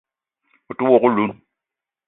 O te wok oloun